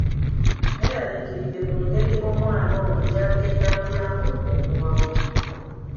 Neraliikiridde ku ngeri omwana ono gy'agenda akulamu omuwawa.